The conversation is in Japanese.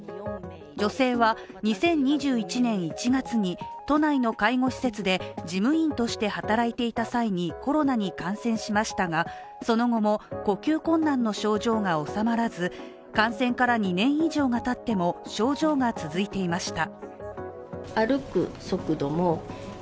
女性は２０２１年１月に都内の介護施設で事務員として働いていた際にコロナに感染しましたがその後も呼吸困難の症状が治まらず感染から２年以上がたっても症状が続いていました。